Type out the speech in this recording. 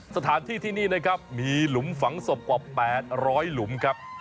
สถานที่ที่นี่นะครับมีหลุมฝังศพกว่า๘๐๐หลุมครับ